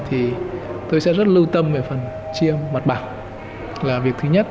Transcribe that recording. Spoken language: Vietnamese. thì tôi sẽ rất lưu tâm về phần chia mặt bằng là việc thứ nhất